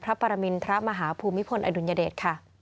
พระปรมินพระมหาภูมิพลอดุญเดช